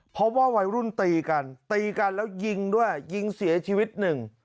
เพราะว่าวัยรุ่นตีกันตีกันแล้วยิงด้วยยิงเสียชีวิตหนึ่ง